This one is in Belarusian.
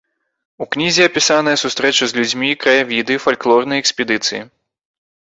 У кнізе апісаныя сустрэчы з людзьмі, краявіды, фальклорныя экспедыцыі.